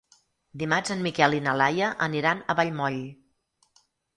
Dimarts en Miquel i na Laia aniran a Vallmoll.